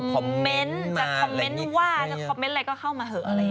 จะคอมเมนต์มาจะคอมเมนต์ว่าจะคอมเมนต์อะไรก็เข้ามาเหอะ